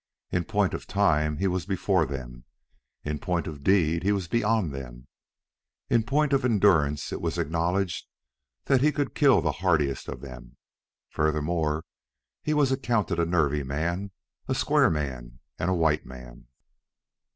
In point of time he was before them. In point of deed he was beyond them. In point of endurance it was acknowledged that he could kill the hardiest of them. Furthermore, he was accounted a nervy man, a square man, and a white man.